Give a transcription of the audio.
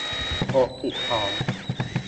หกสิบสอง